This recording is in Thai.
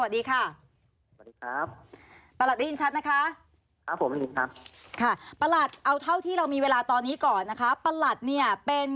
เนธเก่าสายแยะนัน